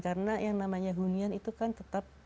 karena yang namanya hunian itu kan tetap